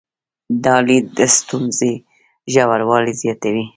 دا لید د ستونزې ژوروالي زیاتوي.